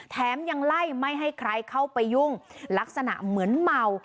ยังไล่ไม่ให้ใครเข้าไปยุ่งลักษณะเหมือนเมา